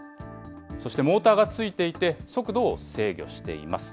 そして、モーターが付いていて速度を制御しています。